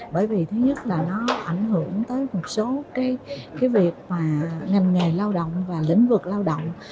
bởi vì thứ nhất là nó ảnh hưởng tới một số cái việc mà ngành nghề lao động và lĩnh vực lao động